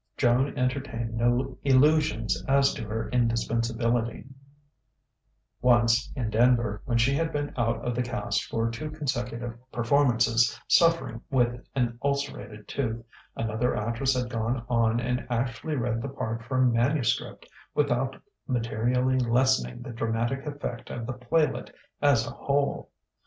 Joan entertained no illusions as to her indispensability: once, in Denver, when she had been out of the cast for two consecutive performances, suffering with an ulcerated tooth, another actress had gone on and actually read the part from manuscript without materially lessening the dramatic effect of the playlet as a whole.